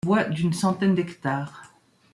Bois d’une centaine d’ha.